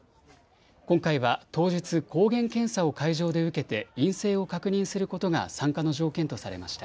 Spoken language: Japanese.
今回は当日、抗原検査を会場で受けて陰性を確認することが参加の条件とされました。